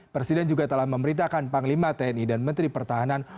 presiden juga telah memberitakan panglima tni dan menteri pertahanan